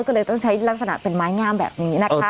ก็เลยต้องใช้ลักษณะเป็นไม้งามแบบนี้นะคะ